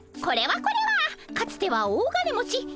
これはこれはかつては大金持ち